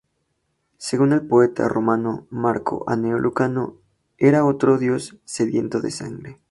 Según el poeta romano Marco Anneo Lucano, era otro dios sediento de sangre.